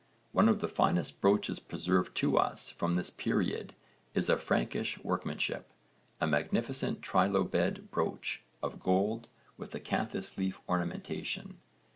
One of the finest brooches preserved to us from this period is of Frankish workmanship a magnificent trilobed brooch of gold with acanthus leaf ornamentation.